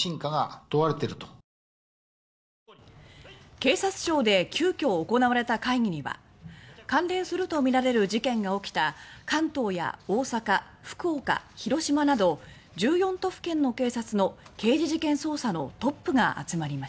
警察庁で急きょ行われた会議には関連するとみられる事件が起きた関東や大阪、福岡、広島など１４都府県の警察の刑事事件捜査のトップが集まりました。